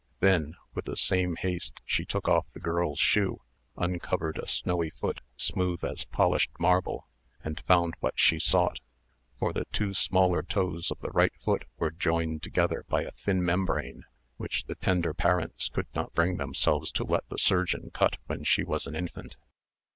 Then, with the same haste, she took off the girl's shoe, uncovered a snowy foot, smooth as polished marble, and found what she sought; for the two smaller toes of the right foot were joined together by a thin membrane, which the tender parents could not bring themselves to let the surgeon cut when she was an infant.